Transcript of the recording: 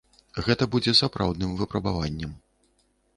Гэта будзе сапраўдным выпрабаваннем.